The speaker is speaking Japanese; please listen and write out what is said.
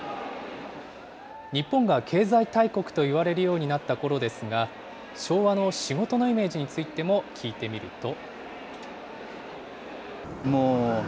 日本が経済大国と言われるようになったころですが、昭和の仕事のイメージについても聞いてみると。